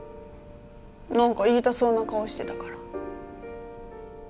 何か言いたそうな顔してたから。